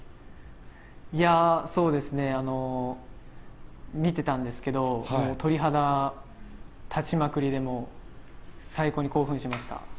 そうですね、見てたんですけど、もう鳥肌立ちまくりで、もう最高に興奮しました。